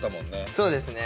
そうですね。